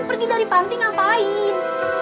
pergi dari panti ngapain